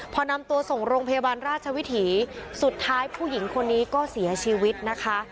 พอนำตัวส่งโรงพยาบาลราชวิถีสุดท้ายผู้หญิงคนนี้ก็เสียชีวิตนะคะ